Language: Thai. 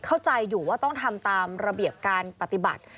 เข้าใจอยู่ว่าต้องทำตามระเบียบการปฏิบัติ